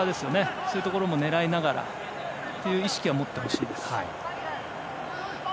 そういうところも狙いがながらの意識は持ってほしいです。